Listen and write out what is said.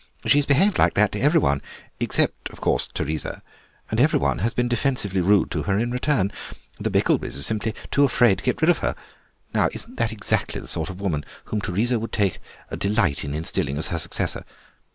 She's behaved like that to every one, except, of course, Teresa, and every one has been defensively rude to her in return. The Bickelbys are simply too afraid of her to get rid of her. Now isn't that exactly the sort of woman whom Teresa would take a delight in installing as her successor?